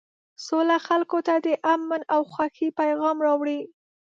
سوله خلکو ته د امن او خوښۍ پیغام راوړي.